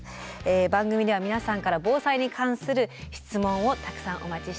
番組では皆さんから防災に関する質問をたくさんお待ちしております。